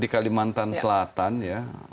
di kalimantan selatan ya